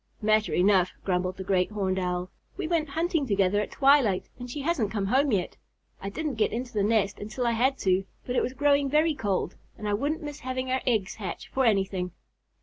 "Matter enough," grumbled the Great Horned Owl. "We went hunting together at twilight and she hasn't come home yet. I didn't get into the nest until I had to, but it was growing very cold and I wouldn't miss having our eggs hatch for anything.